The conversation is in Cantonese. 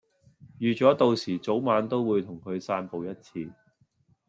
預咗到時早晚都會同佢散步一次